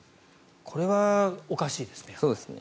これはおかしいですね。